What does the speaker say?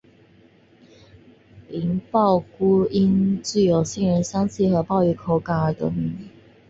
杏鲍菇因其有杏仁香气及鲍鱼口感而得名。